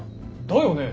だよね！